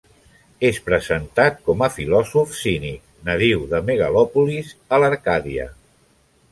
És presentat com a filòsof cínic nadiu de Megalòpolis a l'Arcàdia.